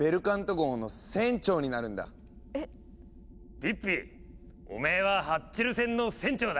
ピッピおめえはハッチェル船の船長だ。